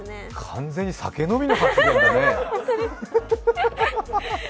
完全に酒飲みの発言だね。